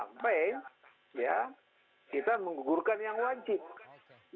sampai kita menggugurkan yang wajib